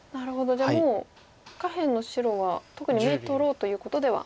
じゃあもう下辺の白は特に眼取ろうということでは。